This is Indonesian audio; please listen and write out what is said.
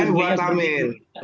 itu kabar lain buat amin